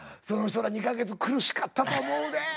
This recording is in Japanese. その人ら２か月苦しかったと思うで。